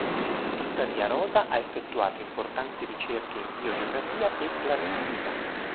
Tuttavia Rosa ha effettuato importanti ricerche in biogeografia e cladistica.